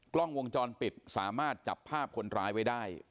กล้องวงจรปิดสามารถจับภาพคนร้ายไว้ได้